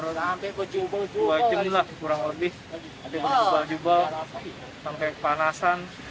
saya sudah mengantri hampir dua jam kurang lebih sampai berjubah jubah sampai kepanasan